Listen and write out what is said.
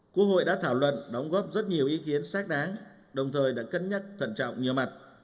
quốc hội đã thảo luận đóng góp rất nhiều ý kiến xác đáng đồng thời đã cân nhắc thận trọng nhiều mặt